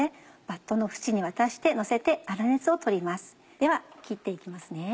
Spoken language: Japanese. では切って行きますね。